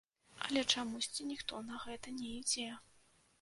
Але чамусьці ніхто на гэта не ідзе.